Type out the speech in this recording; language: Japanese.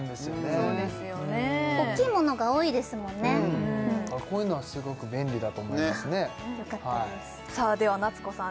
そうですよね大きいものが多いですもんねだからこういうのはすごく便利だと思いますねさあでは奈津子さん